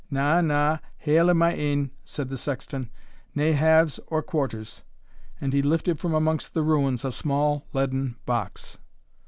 "Na, na, haill o' my ain," said the sexton; "nae halves or quarters;" and he lifted from amongst the ruins a small leaden box.